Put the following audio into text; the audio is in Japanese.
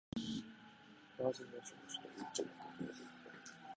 バージニア州の州都はリッチモンドである